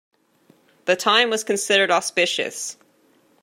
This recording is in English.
The time was considered auspicious.